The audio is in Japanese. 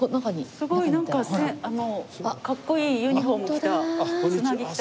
すごいなんかかっこいいユニホーム着たつなぎ着た。